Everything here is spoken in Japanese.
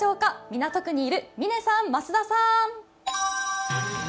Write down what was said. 港区にいる嶺さん、増田さん。